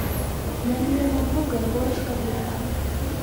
— Намиен ом пу гын, ворышкак лектам.